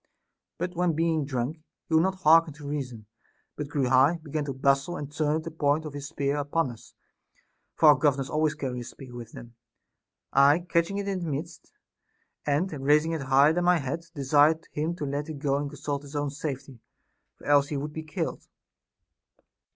But when being drunk he would not harken to reason, but grew high, began to bustle, and turned the point of his spear upon us (for our governors always carry a spear with them), I catching it in the midst, and raising it higher than my head, de sired him to let it go and consult his own safety, for else he would be killed.